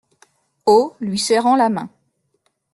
Haut ; lui serrant la main.